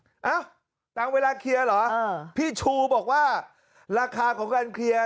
เอ้าตามเวลาเคลียร์เหรอพี่ชูบอกว่าราคาของการเคลียร์